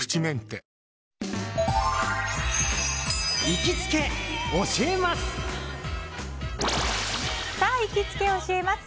行きつけ教えます！